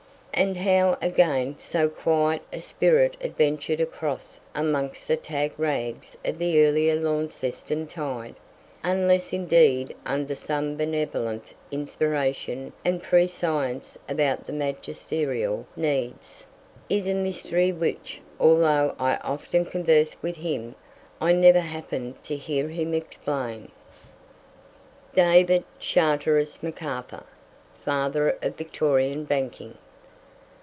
And how, again, so quiet a spirit adventured across amongst the tag rags of the earlier Launceston tide, unless indeed under some benevolent inspiration and prescience about the magisterial needs, is a mystery which, although I often conversed with him, I never happened to hear him explain. DAVID CHARTERIS McARTHUR, FATHER OF VICTORIAN BANKING.